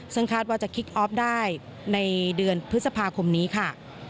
ซึ่งคาดว่าจะคิกออฟได้ในเดือนพฤษภาคมนี้ค่ะ